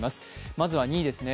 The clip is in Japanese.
まずは２位です。